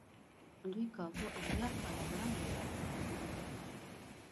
دوی کابو اویا کاله وړاندې سخته دښمني وکړه.